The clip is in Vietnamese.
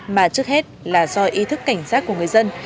mà trước hết là do ý thức cảnh giác của người dân